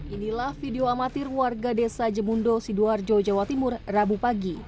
inilah video amatir warga desa jemundo sidoarjo jawa timur rabu pagi